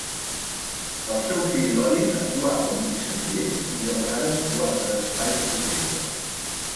El seu fill Lorin actuà com a Missatger i de vegades guardaespatlles de Taylor.